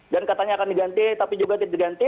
dan katanya akan diganti tapi juga tidak diganti